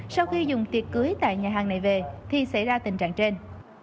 sau khi dùng tiệc cưới tại nhà hàng này về thì xảy ra tình trạng trên